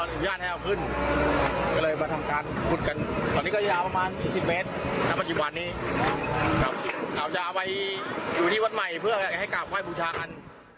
เราจะเอาผมอยู่ที่วันใหม่เพื่อให้กากฐานฟูชากัน